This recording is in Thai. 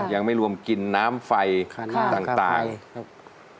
ยังไม่รวมกินน้ำไฟต่างครับ